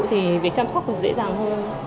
thì việc chăm sóc dễ dàng hơn